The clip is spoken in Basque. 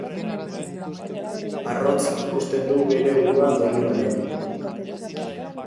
Arrotz ikusten du bere burua Donibanen.